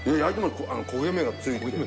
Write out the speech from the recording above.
焦げ目がついてる。